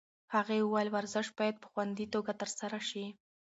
هغې وویل ورزش باید په خوندي توګه ترسره شي.